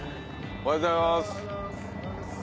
おはようございます。